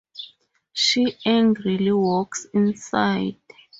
She angrily walks inside.